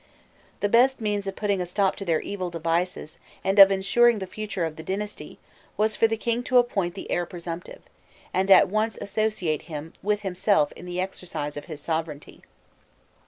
The best means of putting a stop to their evil devices and of ensuring the future of the dynasty was for the king to appoint the heir presumptive, and at once associate him with himself in the exercise of his sovereignty.